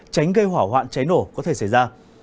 tránh gây hỏa hoạn cháy nổ có thể xảy ra